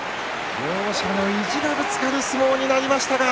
両者の意地がぶつかる相撲となりました。